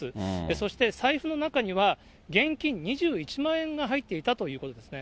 そして財布の中には、現金２１万円が入っていたということですね。